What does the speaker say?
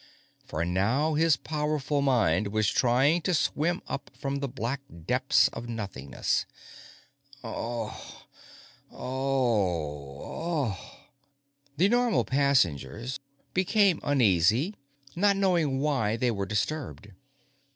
For now, his powerful mind was trying to swim up from the black depths of nothingness. _Uh uhhhh uhh _ The Normal passengers became uneasy, not knowing why they were disturbed.